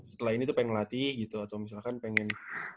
setelah ini tuh pengen latih gitu atau misalkan pengen